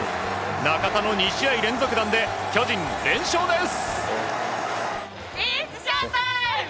中田の２試合連続弾で巨人連勝です！